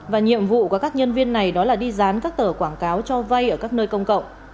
và nhiệm vụ của các nhân viên này đó là đi dán các tờ quảng cáo cho vay ở các nơi công cộng